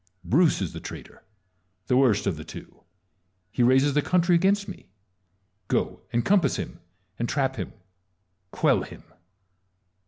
Bruce is the traitor, the worst of the two : he raises the country against me. Go ; encompass him ; entrap him, quell him.